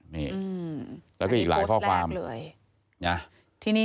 นี่แล้วก็อีกหลายข้อความอย่างนี้โบสต์แรกเลยนี่นี่